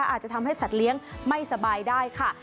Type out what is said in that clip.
อาจจะทำให้สัตว์เลี้ยงไม่สบายได้ค่ะ